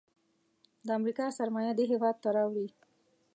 د امریکا سرمایه دې هیواد ته راوړي.